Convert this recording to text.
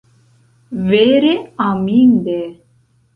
Vere aminde!